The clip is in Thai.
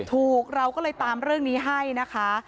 เราก็เลยตามเรื่องนี้ให้นะคะ